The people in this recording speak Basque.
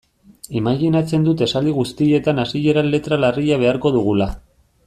Imajinatzen dut esaldi guztietan hasieran letra larria beharko dugula.